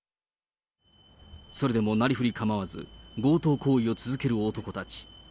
それでもなりふり構わず強盗行為を続ける男たち。